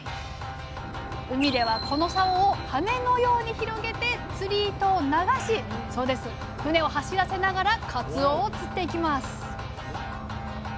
⁉海ではこのさおを羽のように広げて釣り糸を流し船を走らせながらかつおを釣っていきます